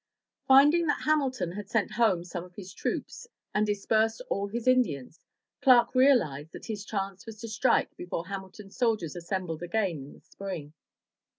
Finding that Hamilton had sent home some of his troops and dispersed all his Indians, Clark realized that his chance was to strike before Hamilton's soldiers assembled again in the spring.